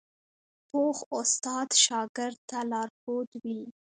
پوخ استاد شاګرد ته لارښود وي